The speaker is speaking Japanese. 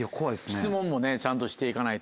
質問もちゃんとして行かないと。